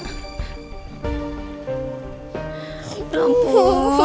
kita yang pertumbuh